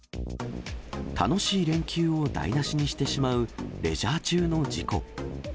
楽しい連休を台なしにしてしまうレジャー中の事故。